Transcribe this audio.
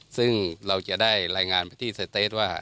ซึ่งเราจะได้รายงานไปที่สเตสว่า